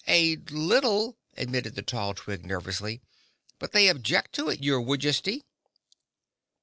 "A little," admitted the tall Twig nervously, "but they object to it, your Woodjesty."